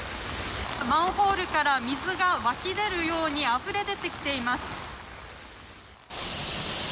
マンホールから水が湧き出るようにあふれ出ています。